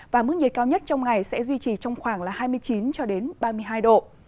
và mức nhiệt cao nhất trong ngày sẽ duy trì trong khoảng hai mươi chín ba mươi hai độ